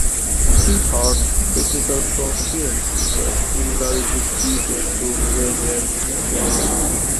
He taught technical proficiency, but encouraged his pupils to play their natural game.